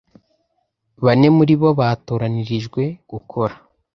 bane muri bo batoranirijwe gukora